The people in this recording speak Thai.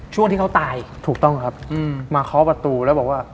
ช่วงที่เขาตายถูกต้องครับมาเคาะประตูแล้วบอกว่า